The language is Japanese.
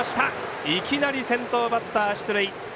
いきなり先頭バッター出塁。